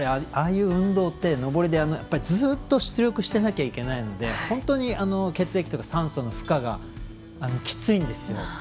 ああいう運動って、上りでずっと出力してなきゃいけないので本当に血液とか酸素の負荷がきついんですよ。